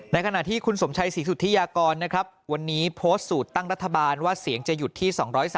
ขณะที่คุณสมชัยศรีสุธิยากรนะครับวันนี้โพสต์สูตรตั้งรัฐบาลว่าเสียงจะหยุดที่๒๓